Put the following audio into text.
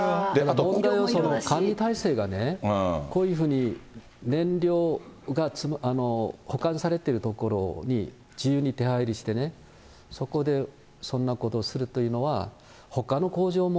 あと管理体制がこういうふうに原料が保管されている所に自由に出はいりしてね、そこでそんなことをするというのは、ほかの工場も。